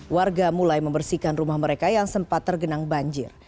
warga mulai membersihkan rumah mereka yang sempat tergenang banjir